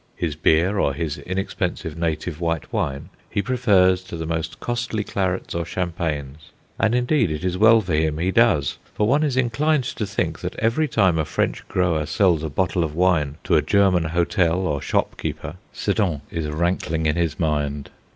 His beer or his inexpensive native white wine he prefers to the most costly clarets or champagnes. And, indeed, it is well for him he does; for one is inclined to think that every time a French grower sells a bottle of wine to a German hotel or shop keeper, Sedan is rankling in his mind.